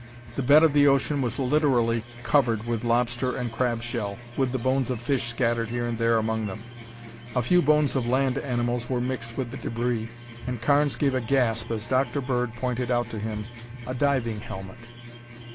The bed of the ocean was literally covered with lobster and crab shell, with the bones of fish scattered here and there among them. A few bones of land animals were mixed with the debris and Carnes gave a gasp as Dr. Bird pointed out to him a diving helmet.